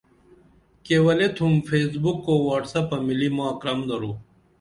کیولے تُھم فیس بُک او وٹس اپ ملی ماں کرم درو